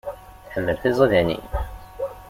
Tḥemmel tiẓidanin.